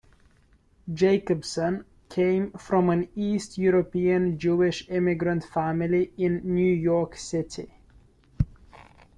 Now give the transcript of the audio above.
Jacobson came from an East European Jewish immigrant family in New York City.